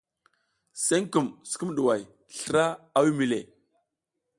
Senkum sukumɗuhoy slra a wimi le.